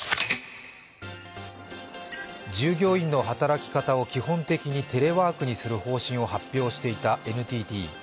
従業員の働き方を基本的にテレワークにすることを発表していたＮＴＴ。